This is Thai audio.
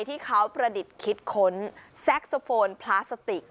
ที่เขาประดิษฐ์คิดค้นแซ็กโซโฟนพลาสติก